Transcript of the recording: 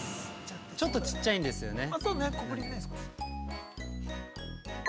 ちょっとちっちゃいんですよね。